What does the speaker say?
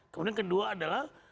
kemudian kedua adalah